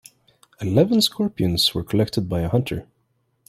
Eleven scorpions were collected by a hunter.